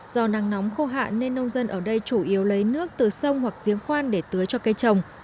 do nắng nóng khô hạn nên nông dân ở đây chủ yếu lấy nước từ sông hoặc giếng khoan để tưới cho cây trồng